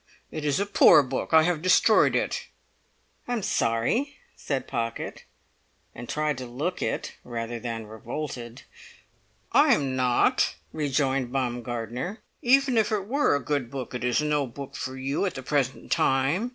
It is a poor book. I have destroyed it." "I'm sorry," said Pocket, and tried to look it rather than revolted. "I am not," rejoined Baumgartner. "Even if it were a good book, it is no book for you at the present time.